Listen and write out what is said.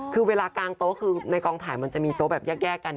คือเวลากลางโต๊ะคือในกองถ่ายมันจะมีโต๊ะแบบแยกกัน